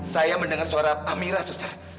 saya mendengar suara amira suster